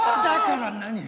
だから何？